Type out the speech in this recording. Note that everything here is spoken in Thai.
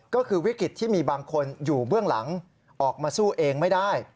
ก็คือวิกฤตที่มีบางคนอยู่เบื้องหลังออกมาสู้เองไม่ได้